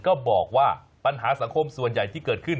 ก็บอกว่าปัญหาสังคมส่วนใหญ่ที่เกิดขึ้น